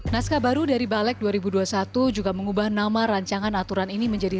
naskah baru dari balik dua ribu dua puluh satu juga mengubah nama rancangan aturan ini menjadi